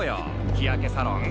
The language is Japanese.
日焼けサロン！